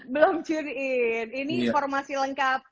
belum tune in ini informasi lengkap